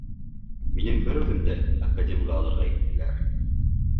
Минең бер үҙемде академға алырға иттеләр.